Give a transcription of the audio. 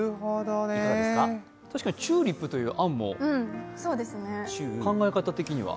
確かにチューリップという案も、考え方的には。